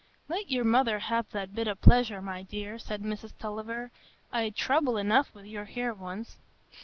"Let your mother have that bit o' pleasure, my dear," said Mrs Tulliver; "I'd trouble enough with your hair once."